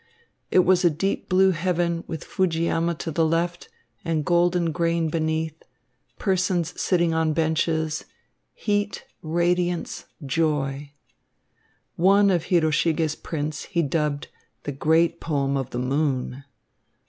It was a deep blue heaven with Fujiyama to the left and golden grain beneath, persons sitting on benches, heat, radiance, joy! One of Hiroshige's prints he dubbed "the great poem of the moon."